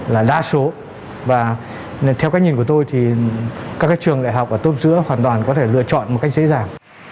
là đa số và theo cách nhìn của tôi thì các trường đại học ở tốt giữa hoàn toàn có thể lựa chọn một cách dễ dàng